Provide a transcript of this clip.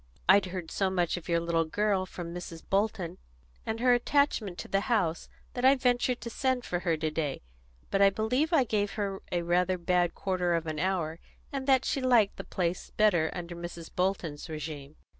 "I'd heard so much of your little girl from Mrs. Bolton, and her attachment to the house, that I ventured to send for her to day. But I believe I gave her rather a bad quarter of an hour, and that she liked the place better under Mrs. Bolton's régime."